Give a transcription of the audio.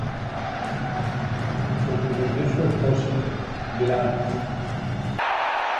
Le sobrevivió su esposa, Gladys.